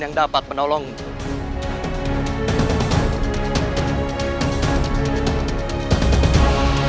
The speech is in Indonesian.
yang dapat menolongmu